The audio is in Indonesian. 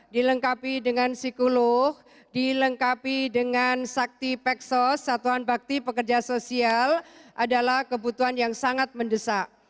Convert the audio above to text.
dilengkapi dengan psikolog dilengkapi dengan sakti peksos satuan bakti pekerja sosial adalah kebutuhan yang sangat mendesak